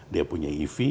dia punya ev